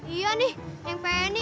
iya nih yang penny